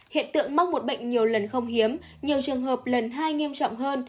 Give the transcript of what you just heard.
hiện tượng mắc một bệnh nhiều lần không hiếm nhiều trường hợp lần hai nghiêm trọng hơn